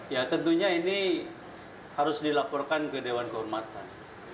ya tentunya ini harus dilaporkan ke dewan kehormatan